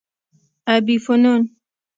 ابي فنون